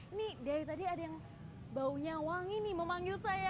ini dari tadi ada yang baunya wangi nih memanggil saya